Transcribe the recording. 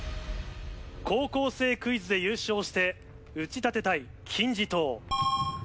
高校生クイズで優勝して打ち立てたい金字塔。